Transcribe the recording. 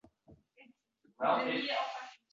Ana shu nom bilan madaniy-ma’naviy qudrat kasb etdi.